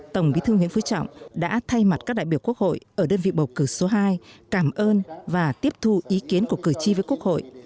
tổng bí thư nguyễn phú trọng đã thay mặt các đại biểu quốc hội ở đơn vị bầu cử số hai cảm ơn và tiếp thu ý kiến của cử tri với quốc hội